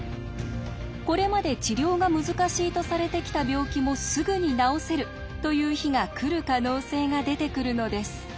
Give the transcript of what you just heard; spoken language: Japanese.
これまで治療が難しいとされてきた病気もすぐに治せるという日が来る可能性が出てくるのです。